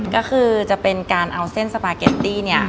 ก็คือจะเป็นการเอาเส้นสปาเก็ตตี้เนี่ย